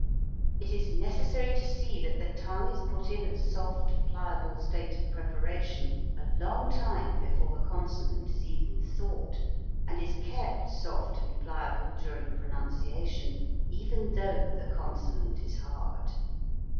It is necessary to see that the tongue is put in a soft, pliable state of preparation a long time before the consonant is even thought and is kept soft and pliable during pronunciation even though the consonant is hard.